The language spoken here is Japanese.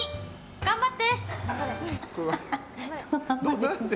頑張って！